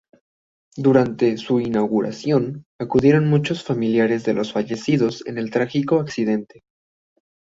Durante su inauguración acudieron muchos familiares de los fallecidos en el trágico accidente.